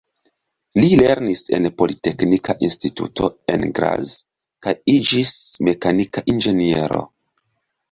Li lernis en Politeknika Instituto, en Graz, kaj iĝis mekanika inĝeniero.